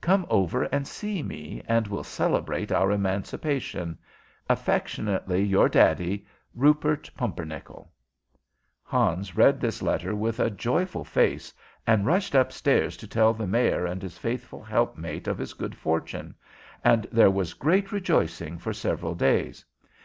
Come over and see me, and we'll celebrate our emancipation. "Affectionately your daddy, "RUPERT PUMPERNICKEL." Hans read this letter with a joyful face, and rushed up stairs to tell the Mayor and his faithful helpmate of his good fortune, and there was great rejoicing for several days.